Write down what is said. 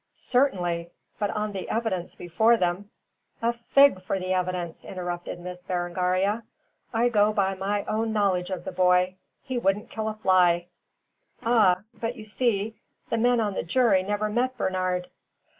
"Certainly! But on the evidence before them " "A fig for the evidence!" interrupted Miss Berengaria. "I go by my own knowledge of the boy. He wouldn't kill a fly." "Ah! But you see, the men on the jury never met Bernard."